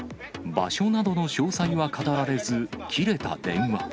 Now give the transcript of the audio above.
場所などの詳細は語られず、切れた電話。